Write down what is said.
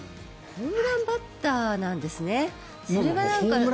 ホームランバッターなんですね。